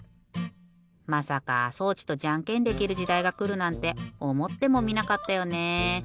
まさか装置とじゃんけんできるじだいがくるなんておもってもみなかったよね。